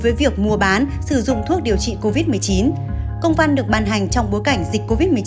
với việc mua bán sử dụng thuốc điều trị covid một mươi chín công văn được ban hành trong bối cảnh dịch covid một mươi chín